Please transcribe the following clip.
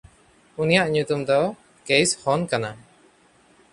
ᱩᱱᱤᱭᱟᱜ ᱧᱩᱛᱩᱢ ᱫᱚ ᱠᱮᱭᱥᱦᱚᱱ ᱠᱟᱱᱟ᱾